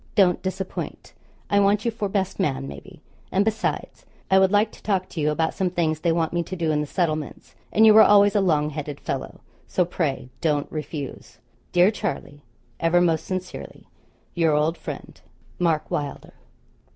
Don't disappoint. I want you for best man, maybe; and besides, I would like to talk to you about some things they want me to do in the settlements, and you were always a long headed fellow: so pray don't refuse. 'Dear Charlie, ever most sincerely, 'Your old Friend, 'MARK WYLDER.